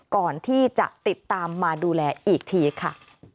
ก่อนที่จะติดตามมาดูแลอีกทีค่ะ